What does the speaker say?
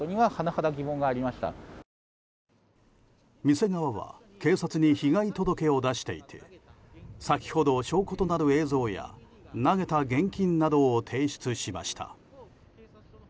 店側は警察に被害届を出していて先ほど証拠となる映像や投げた現金などを提出しました。